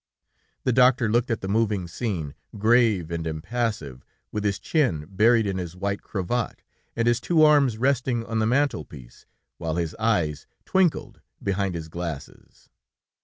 The doctor looked at the moving scene, grave and impassive, with his chin buried in his white cravat, and his two arms resting on the mantel piece, while his eyes twinkled behind his glasses....